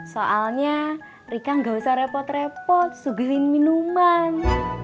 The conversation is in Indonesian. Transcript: soalnya rika gak usah repot repot sugerin minuman